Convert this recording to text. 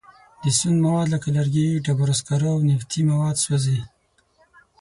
د سون مواد لکه لرګي، ډبرو سکاره او نفتي مواد سوځي.